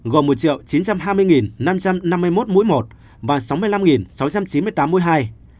gồm một chín trăm hai mươi năm trăm năm mươi một mũi một và sáu mươi năm sáu trăm chín mươi tám mũi hai